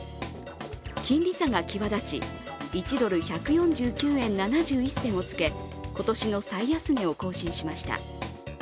金利差が際立ち、１ドル＝１４９円７１銭をつけ今年の最安値を更新しました。